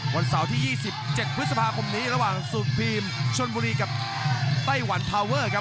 วันเสาร์ที่๒๗พฤษภาคมนี้ระหว่างสุดพีมชนบุรีกับไต้หวันพาวเวอร์ครับ